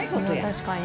確かに。